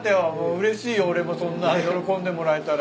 うれしい俺もそんな喜んでもらえたら。